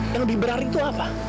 yang lebih berarti itu apa